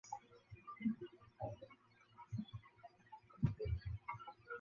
自此人们便把这座塔叫作傲慢之塔。